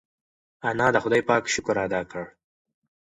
انا د خدای پاک شکر ادا کړ.